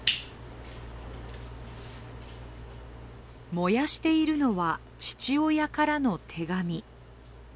燃やしているのは、父親からの手紙。